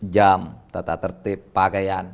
jam tata tertib pakaian